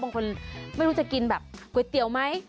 บางคนไม่รู้จะกินแบบก๋วยเตี๋ยวไหม